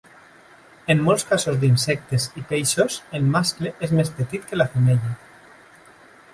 En molts casos d'insectes i peixos, el mascle és més petit que la femella.